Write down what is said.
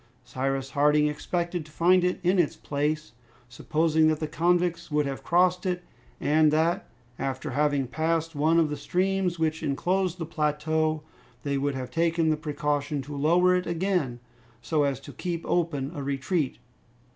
Cyrus Harding expected to find it in its place; supposing that the convicts would have crossed it, and that, after having passed one of the streams which enclosed the plateau, they would have taken the precaution to lower it again, so as to keep open a retreat.